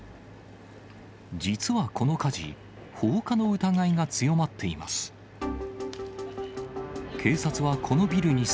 実はこの火事、放火の疑いが強まっています。